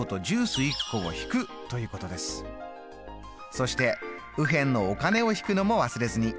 そして右辺のお金を引くのも忘れずに。